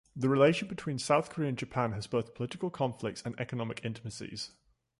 The relation between South Korea and Japan has both political conflicts and economic intimacies.